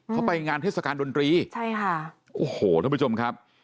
เข้าไปงานเทศกาลดนตรีโอ้โหทุกผู้ชมครับ